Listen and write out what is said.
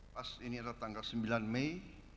pas ini ada tanggal sembilan mei